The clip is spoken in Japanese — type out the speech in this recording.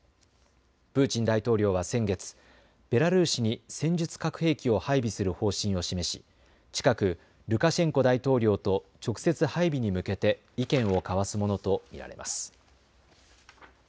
プーチン大統領は先月、ベラルーシに戦術核兵器を配備する方針を示し、近くルカシェンコ大統領と直接配備に向けて意見を交わすものと見られます。